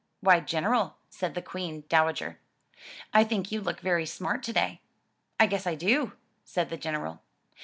"Why, General," said the Queen Dowa ger, "I think you look very smart today." "I guess I do," said the General.